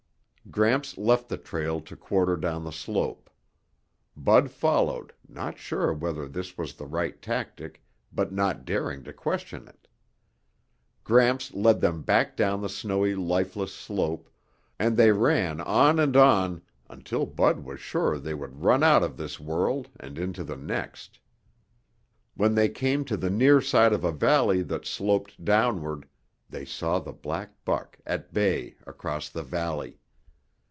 Gramps left the trail to quarter down the slope. Bud followed, not sure whether this was the right tactic, but not daring to question it. Gramps led them back down the snowy lifeless slope, and they ran on and on until Bud was sure they would run out of this world and into the next. When they came to the near side of a valley that sloped downward, they saw the black buck at bay across the valley.